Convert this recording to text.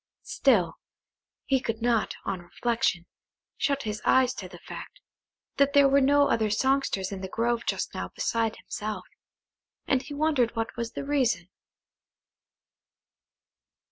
Still, he could not, on reflection, shut his eyes to the fact, that there were no other songsters in the grove just now beside himself, and he wondered what was the reason.